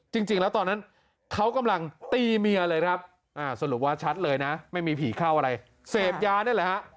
จริงแล้วตอนนั้นเขากำลังตีเมียเลยครับสรุปว่าชัดเลยนะไม่มีผีเข้าอะไรเสพยานั่นแหละฮะ